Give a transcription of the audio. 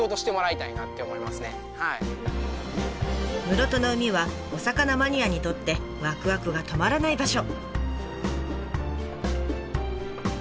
室戸の海はお魚マニアにとってワクワクが止まらない場所。